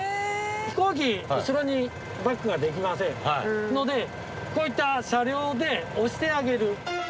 飛行機後ろにバックができませんのでこういった車両で押してあげる。